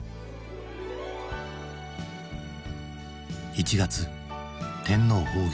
１月天皇崩御。